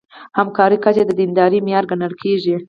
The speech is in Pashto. همکارۍ کچه د دیندارۍ معیار ګڼل کېږي.